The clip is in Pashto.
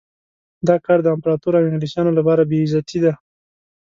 دا کار د امپراطور او انګلیسیانو لپاره بې عزتي ده.